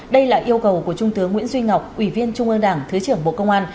đây là yêu cầu của trung tướng nguyễn duy ngọc ủy viên trung ương đảng thứ trưởng bộ công an